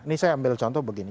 ini saya ambil contoh begini